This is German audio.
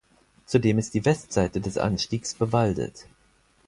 Zudem ist die Westseite des Anstiegs bewaldet.